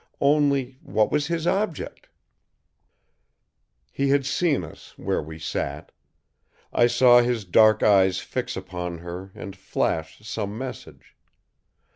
Only, what was his object? He had seen us, where we sat. I saw his dark eyes fix upon her and flash some message.